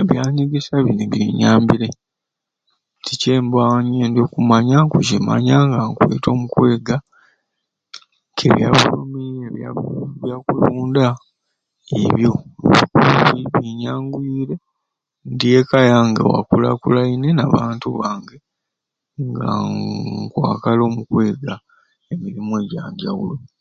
Ebyanyegesya bini binyambire nti kyemba nyendya okumanya nkukimanya nga nkweta omukwega nti byabulimi byaku byakulunda ebyo binyanguire nti eka yange wakulaakulaine n'abantu bange ngaaa nnkwakala omu kwega emirimu egyanjawulo.